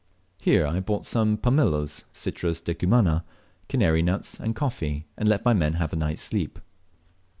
Here I bought some pumelos (Citrus decumana), kanary nuts, and coffee, and let my men have a night's sleep.